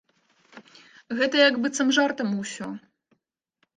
Гэта як быццам жартам усё.